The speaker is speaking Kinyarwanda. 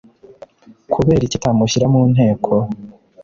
kubera iki atamushyira mu Nteko